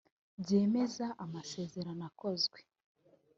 byemeza amasezerano akozwe